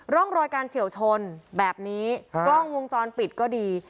ร่องรอยการเฉียวชนแบบนี้กล้องวงจรปิดก็ดี